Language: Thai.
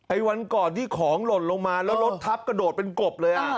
วันก่อนที่ของหล่นลงมาแล้วรถทับกระโดดเป็นกบเลย